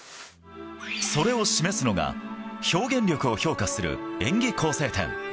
それを示すのが、表現力を評価する演技構成点。